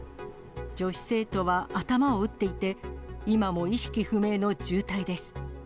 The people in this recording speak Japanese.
女子生徒は頭を打っていて、今も意識不明の重体です。